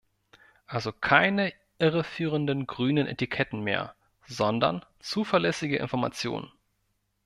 Also keine irreführenden grünen Etiketten mehr, sondern zuverlässige Informationen.